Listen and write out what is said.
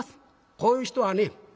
こういう人はね